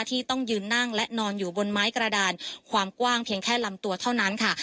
ที่ต้องยืนนั่งและนอนอยู่บนไม้กระดานความกว้างเพียงแค่ลำตัวเท่านั้นค่ะ